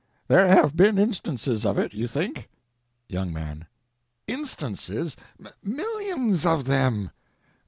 There have been instances of it—you think? Young Man. Instances? Millions of them!